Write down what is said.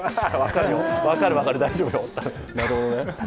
分かる、分かる、大丈夫よ。